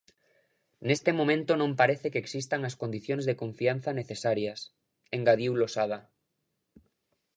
"Neste momento non parece que existan as condicións de confianza necesarias", engadiu Losada.